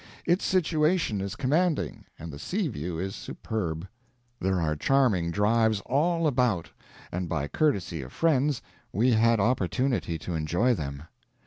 Its situation is commanding, and the sea view is superb. There are charming drives all about, and by courtesy of friends we had opportunity to enjoy them.